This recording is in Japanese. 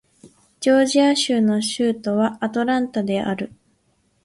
ジョージア州の州都はアトランタである